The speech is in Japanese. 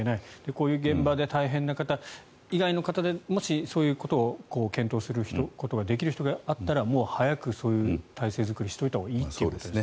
こういう現場で大変な方以外の方でもし、そういうことを検討することができる人がいたら早くそういう体制作りをしておいたほうがいいと。